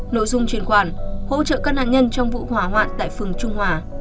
nội dung truyền khoản hỗ trợ các nạn nhân trong vụ hỏa hoạn tại phường trung hòa